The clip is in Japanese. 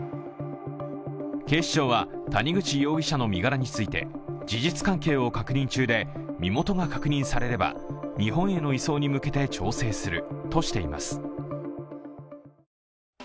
警視庁は谷口容疑者の身柄について事実関係を確認中で、身元が確認されれば日本への移送に向けて調整するとしています。